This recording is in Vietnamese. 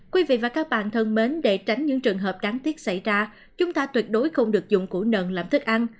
quý vị và các bạn thân mến để tránh những trường hợp đáng tiếc xảy ra chúng ta tuyệt đối không được dùng củ nần làm thức ăn